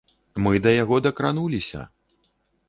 Мы да яго дакрануліся!